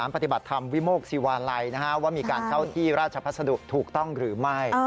ปฏิบัติธรรมวิโมกศิวาลัยว่ามีการเข้าที่ราชพัสดุถูกต้องหรือไม่